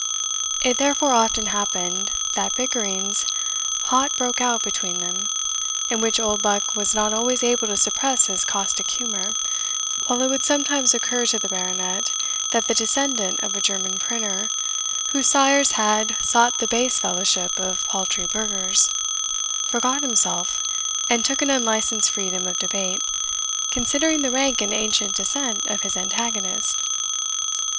It therefore often happened, that bickerings hot broke out between them, in which Oldbuck was not always able to suppress his caustic humour, while it would sometimes occur to the Baronet that the descendant of a German printer, whose sires had "sought the base fellowship of paltry burghers," forgot himself, and took an unlicensed freedom of debate, considering the rank and ancient descent of his antagonist.